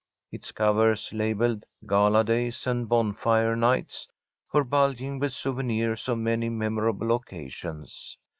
Its covers, labelled "Gala Days and Bonfire Nights," were bulging with souvenirs of many memorable occasions.